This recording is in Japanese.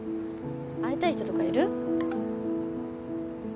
会いたい人とかいる？